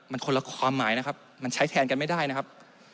มันคนละความหมายนะครับมันใช้แทนกันไม่ได้นะครับ